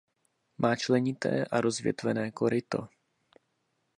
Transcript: Má členité a rozvětvené koryto.